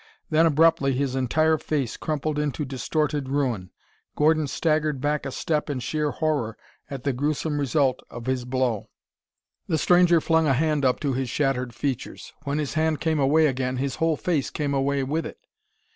Then abruptly his entire face crumpled into distorted ruin. Gordon staggered back a step in sheer horror at the gruesome result of his blow. The stranger flung a hand up to his shattered features. When his hand came away again, his whole face came away with it!